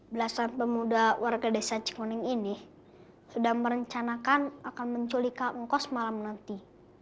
belasan pemuda warga desa cikuning ini sudah merencanakan akan menculikkan engkau semalam nanti